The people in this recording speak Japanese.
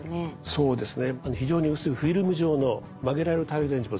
そうですね。